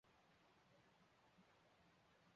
圣艾蒂安拉热内斯特。